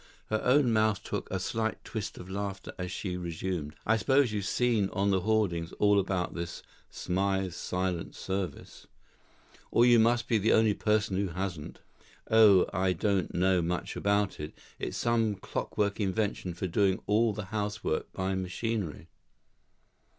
Her own mouth took a slight twist of laughter as she resumed, "I suppose you've seen on the hoardings all about this 'Smythe's Silent Service'? Or you must be the only person that hasn't. Oh, I don't know much about it, it's some clockwork invention for doing all the housework by machinery.